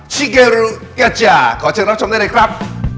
ชิเกรดูกระจ่าสองคนได้ด้วยครับ